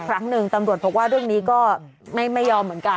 ครั้งหนึ่งตำรวจบอกว่าเรื่องนี้ก็ไม่ยอมเหมือนกัน